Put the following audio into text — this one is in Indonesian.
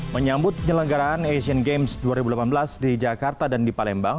menyambut penyelenggaraan asian games dua ribu delapan belas di jakarta dan di palembang